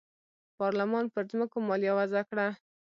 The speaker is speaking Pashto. پارلمان پر ځمکو مالیه وضعه کړه.